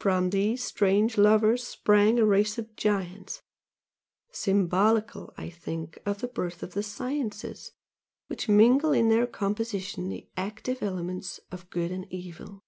From these strange lovers sprang a race of giants, symbolical I think of the birth of the sciences, which mingle in their composition the active elements of good and evil.